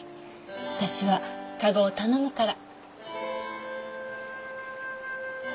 私は駕籠を頼むから。